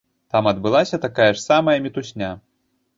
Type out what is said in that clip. Там адбылася такая ж самая мітусня.